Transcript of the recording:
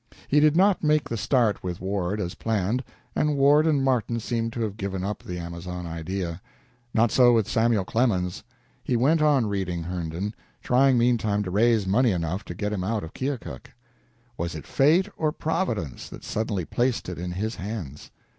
He did not make the start with Ward, as planned, and Ward and Martin seem to have given up the Amazon idea. Not so with Samuel Clemens. He went on reading Herndon, trying meantime to raise money enough to get him out of Keokuk. Was it fate or Providence that suddenly placed it in his hands?